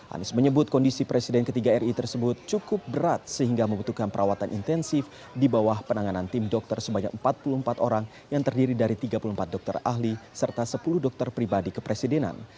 anies menyebut kondisi presiden ketiga ri tersebut cukup berat sehingga membutuhkan perawatan intensif di bawah penanganan tim dokter sebanyak empat puluh empat orang yang terdiri dari tiga puluh empat dokter ahli serta sepuluh dokter pribadi kepresidenan